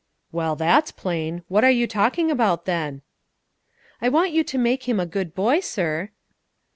"Well, that's plain! What are you talking about, then?" "I want you to make him a good boy, sir."